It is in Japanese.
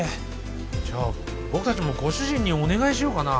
じゃあ僕たちもご主人にお願いしようかな。